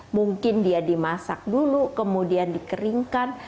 mungkin dia dimasak dulu kemudian dikeringkan